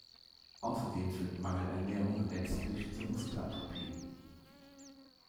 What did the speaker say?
Außerdem führt Mangelernährung letztlich zur Muskelatrophie.